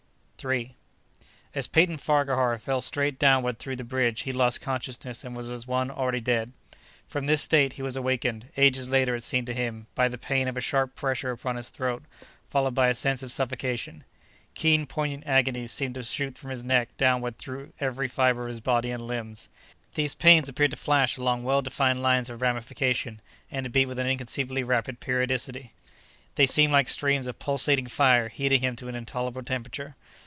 III As Peyton Farquhar fell straight downward through the bridge he lost consciousness and was as one already dead. From this state he was awakened—ages later, it seemed to him—by the pain of a sharp pressure upon his throat, followed by a sense of suffocation. Keen, poignant agonies seemed to shoot from his neck downward through every fiber of his body and limbs. These pains appeared to flash along well defined lines of ramification and to beat with an inconceivably rapid periodicity. They seemed like streams of pulsating fire heating him to an intolerable temperature.